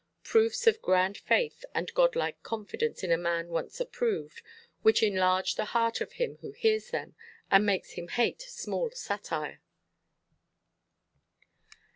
Proofs of grand faith, and Godlike confidence in a man once approved, which enlarge the heart of him who hears them, and makes him hate small satire.